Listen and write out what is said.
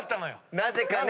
なぜかね